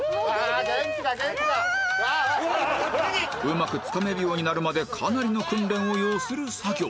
うまくつかめるようになるまでかなりの訓練を要する作業